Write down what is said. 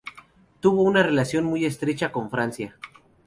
Tuvo una relación muy estrecha con Francia.